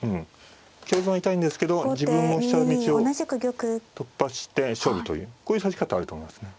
香損は痛いんですけど自分も飛車道を突破して勝負というこういう指し方はあると思いますね。